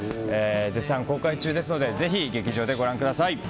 絶賛公開中ですのでぜひ劇場でご覧ください。